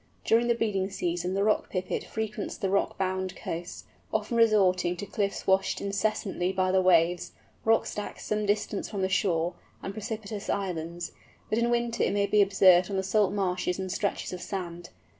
During the breeding season the Rock Pipit frequents the rock bound coasts, often resorting to cliffs washed incessantly by the waves, rock stacks some distance from shore, and precipitous islands; but in winter it may be observed on the salt marshes and stretches of sand.